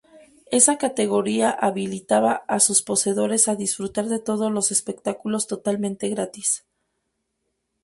Esa categoría habilitaba a sus poseedores a disfrutar de todos los espectáculos totalmente gratis.